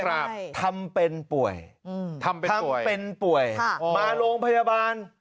ครับทำเป็นป่วยทำเป็นป่วยทำเป็นป่วยค่ะมาโรงพยาบาล